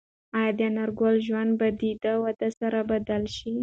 ایا د انارګل ژوند به د دې واده سره بدل شي؟